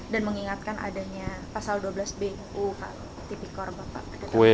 dan mengingatkan adanya pasal dua belas b uu pak tipikor bapak kedeta